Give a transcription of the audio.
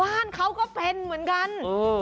บ้านเขาก็เป็นเหมือนกัน